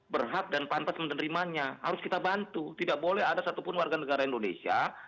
berhak dan pantas menerimanya harus kita bantu tidak boleh ada satupun warga negara indonesia